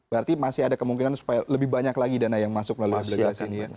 berarti masih ada kemungkinan supaya lebih banyak lagi dana yang masuk melalui obligasi ini ya